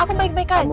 aku baik baik aja